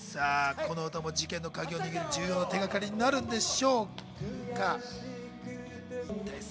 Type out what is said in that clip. この歌も事件のカギを握る重要な手がかりになるんでしょうか。